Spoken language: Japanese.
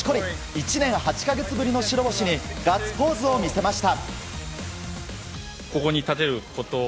１年８か月ぶりの白星にガッツポーズを見せました。